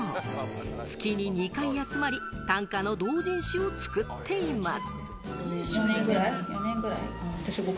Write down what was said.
月に２回集まり、短歌の同人誌を作っています。